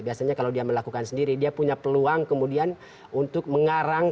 biasanya kalau dia melakukan sendiri dia punya peluang kemudian untuk mengarang